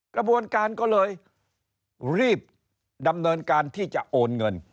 กระบวนการก็เลยรีบดำเนินการที่จะโอนเงิน